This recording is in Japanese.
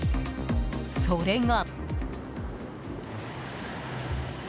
それが。